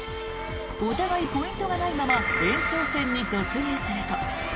お互いポイントがないまま延長戦に突入すると。